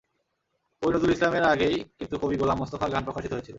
কবি নজরুল ইসলামের আগেই কিন্তু কবি গোলাম মোস্তফার গান প্রকাশিত হয়েছিল।